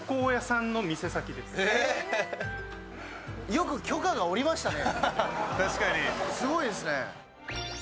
よく許可が下りましたね。